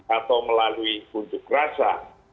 atau melalui unjuk rasa